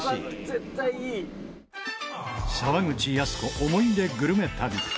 沢口靖子思い出グルメ旅。